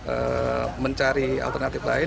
kita harus mencari alternatif lain